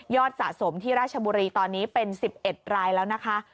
สะสมที่ราชบุรีตอนนี้เป็น๑๑รายแล้วนะคะ